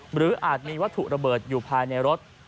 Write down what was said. อาจมีวัตถุระเบิดอยู่ภายในรถ